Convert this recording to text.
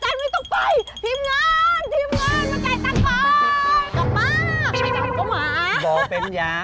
ป๊าแกไม่เจ๋งแฟนก็หมา